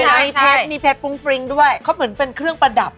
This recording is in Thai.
มีเพชรมีเพชรฟรุ้งฟริ้งด้วยเขาเหมือนเป็นเครื่องประดับ